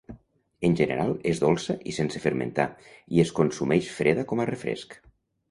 En general és dolça i sense fermentar, i es consumeix freda com a refresc.